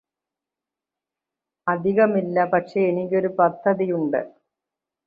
അധികമില്ല പക്ഷേ എനിക്കൊരു പദ്ധതിയുണ്ട്